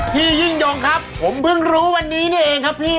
พี่ยิ่งยงครับผมเพิ่งรู้วันนี้นี่เองครับพี่